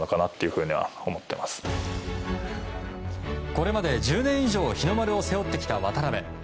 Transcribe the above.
これまで１０年以上日の丸を背負ってきた渡邊。